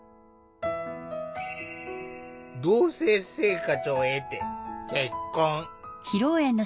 同せい生活を経て結婚。